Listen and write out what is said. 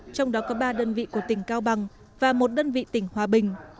trong đó có ba đơn vị của tỉnh cao bằng và một đơn vị tỉnh hòa bình